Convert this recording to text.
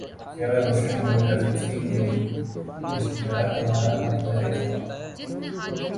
کیا روشن ہو جاتی تھی گلی جب یار ہمارا گزرے تھا